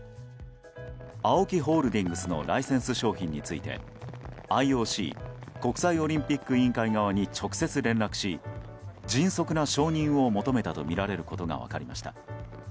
ＡＯＫＩホールディングスのライセンス商品についてＩＯＣ・国際オリンピック委員会側に直接連絡し迅速な承認を求めたとみられることが分かりました。